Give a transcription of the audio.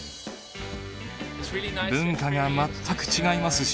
文化が全く違いますし、